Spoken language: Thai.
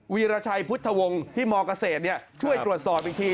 วีรชัยพุทธวงศ์ที่มเกษตรช่วยตรวจสอบอีกที